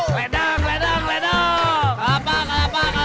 semarang semarang semarang